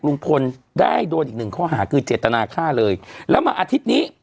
ลุงพลได้โดนอีกหนึ่งข้อหาคือเจตนาฆ่าเลยแล้วมาอาทิตย์นี้